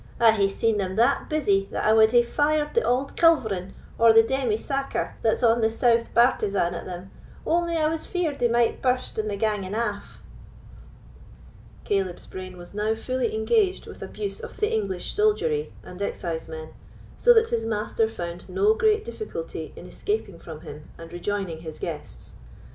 I hae seen them that busy, that I wad hae fired the auld culverin or the demi saker that's on the south bartizan at them, only I was feared they might burst in the ganging aff." Caleb's brain was now fully engaged with abuse of the English soldiery and excisemen, so that his master found no great difficulty in escaping from him and rejoining his guests.